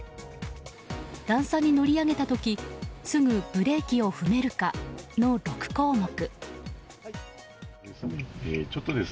段差に乗り上げた時すぐブレーキを踏めるかの６項目。